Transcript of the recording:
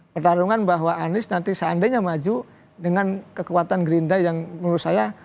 pertarungan bahwa anies nanti seandainya maju dengan kekuatan gerinda yang menurut saya